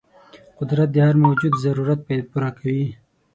قدرت د هر موجود ضرورت پوره کوي.